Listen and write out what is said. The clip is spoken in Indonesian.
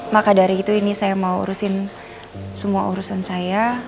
maka dari itu ini saya mau urusin semua urusan saya